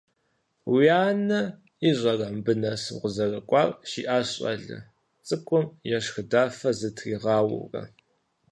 «Уи анэ ищӏэрэ мыбы нэс укъызэрыкӏуар?» жиӏащ щӏалэ цыкӏум ешхыдэфэ зытригъауэурэ.